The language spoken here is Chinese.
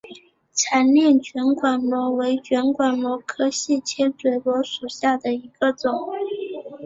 彩炼卷管螺为卷管螺科细切嘴螺属下的一个种。